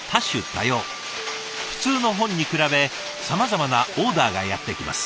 普通の本に比べさまざまなオーダーがやって来ます。